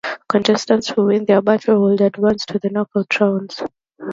Contestants who win their battle would advance to the Knockout rounds.